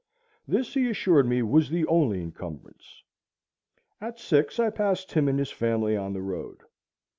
This he assured me was the only encumbrance. At six I passed him and his family on the road.